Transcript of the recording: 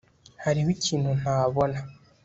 hariho ikintu ntabona